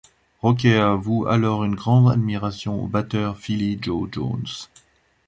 Roker voue alors une grande admiration au batteur Philly Joe Jones.